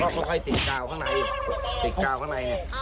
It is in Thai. ก็ค่อยติดกาวข้างในติดกาวข้างในเนี่ย